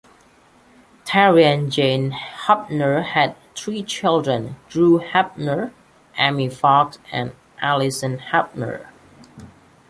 Terry and Jane Hoeppner had three children: Drew Hoeppner, Amy Fox and Allison Hoeppner.